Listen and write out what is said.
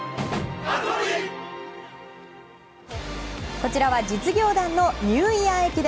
こちらは実業団のニューイヤー駅伝。